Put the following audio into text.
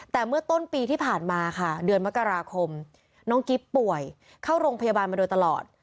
แต่เมื่อต้นปีที่ผ่านมาค่ะเดือนมกราคมน้องกิ๊บป่วยเข้าโรงพยาบาลมาโดยตลอด